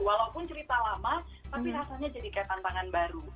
walaupun cerita lama tapi rasanya jadi kayak tantangan baru